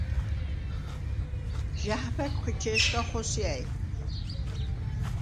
ჟა̈ხბა̈გვხ ეჩე̄სგა ხოსია̈ჲ.